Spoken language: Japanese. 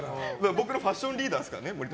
僕のファッションリーダーですからね。